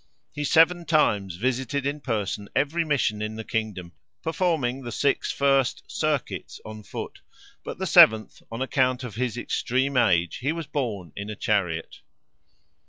He seven times visited in person every mission in the kingdom, performing the six first "circuits" on foot, but the seventh, on account of his extreme age, he was borne in a chariot.